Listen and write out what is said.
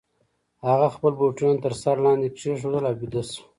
هغه خپل بوټونه تر سر لاندي کښېښودل او بیده سو.